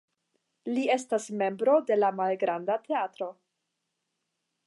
Li estas membro de malgranda teatro.